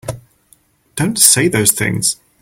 Don't say those things!